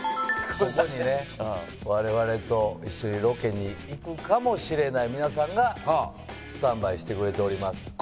ここにねわれわれと一緒にロケに行くかもしれない皆さんがスタンバイしてくれております。